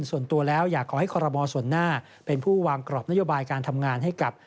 ส่วนตัวแล้วอยากขอให้คอรมอลส่วนหน้าเป็นผู้วางกรอบนโยบายการทำงานให้กับ